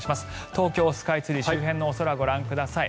東京スカイツリー周辺のお空ご覧ください。